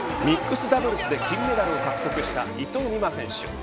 ミックスダブルスで金メダルを獲得した伊藤美誠選手。